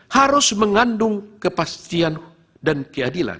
harus mengandung kepastian dan keadilan